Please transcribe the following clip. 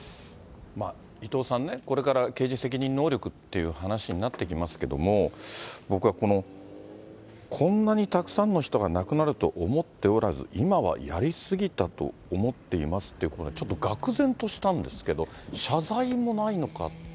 伊藤さんね、これから刑事責任能力っていう話になってきますけれども、僕はこの、こんなにたくさんの人が亡くなると思っておらず、今はやり過ぎたと思っていますって、これ、ちょっとがく然としたんですけど、謝罪もないのかって。